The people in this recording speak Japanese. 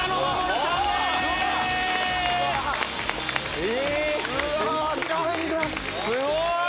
え⁉すごい！